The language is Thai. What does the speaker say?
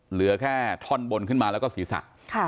เหลือแค่ท่อนบนขึ้นมาแล้วก็ศีรษะ